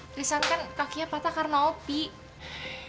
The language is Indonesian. tristan kan kakinya patah karena opi